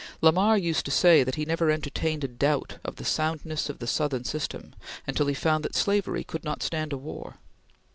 Lamar used to say that he never entertained a doubt of the soundness of the Southern system until he found that slavery could not stand a war.